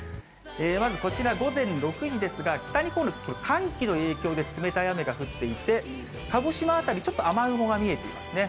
まずこちら、午前６時ですが、北日本、これ、寒気の影響で冷たい雨が降っていて、鹿児島辺り、ちょっと雨雲が見えていますね。